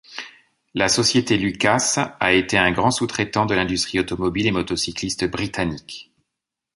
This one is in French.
La société Lucas a été un grand sous-traitant de l'industrie automobile et motocycliste britannique.